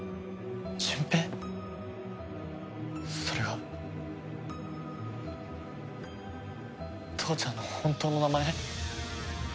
それが父ちゃんの本当の名前？